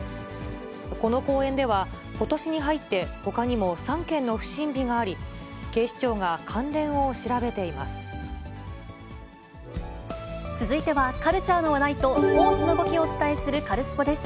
この公園では、ことしに入ってほかにも３件の不審火があり、続いてはカルチャーの話題とスポーツの動きをお伝えするカルスポっ！です。